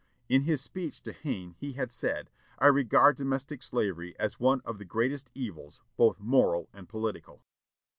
In his speech to Hayne he had said, "I regard domestic slavery as one of the greatest evils, both moral and political."